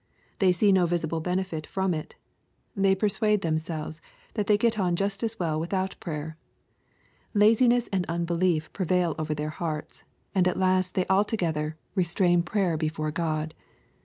They see no visible ben efit from it. They persuade themselves that they get on just as well without prayer. Laziness and unbelief prevail over their hearts, and at last they altogether '• restrain prayer before God."